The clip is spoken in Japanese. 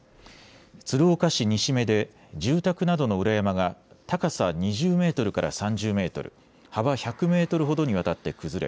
鶴岡市西目で住宅などの裏山が高さ２０メートルから３０メートル、幅１００メートルほどにわたって崩れ